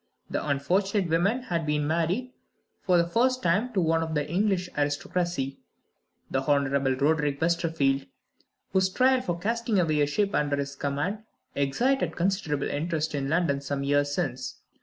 The unfortunate woman had been married, for the first time, to one of the English aristocracy the Honorable Roderick Westerfield whose trial for casting away a ship under his command excited considerable interest in London some years since.